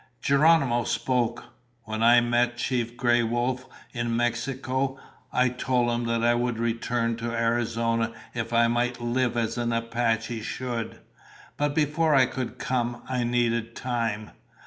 Geronimo spoke. "When I met Chief Gray Wolf in Mexico, I told him that I would return to Arizona if I might live as an Apache should. But before I could come, I needed time.